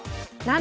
何？